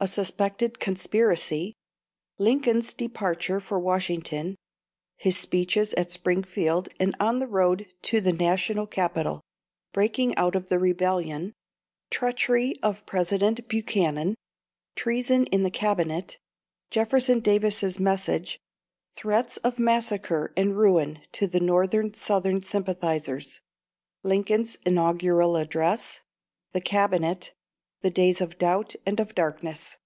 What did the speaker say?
A Suspected Conspiracy Lincoln's Departure for Washington His Speeches at Springfield and on the road to the National Capital Breaking out of the Rebellion Treachery of President Buchanan Treason in the Cabinet Jefferson Davis's Message Threats of Massacre and Ruin to the North Southern Sympathisers Lincoln's Inaugural Address The Cabinet The Days of Doubt and of Darkness.